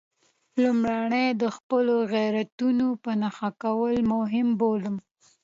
لومړی د خپلو غیرتونو په نښه کول مهم بولم.